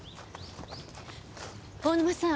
大沼さん